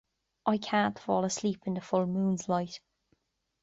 I can't fall asleep in the full moon's light.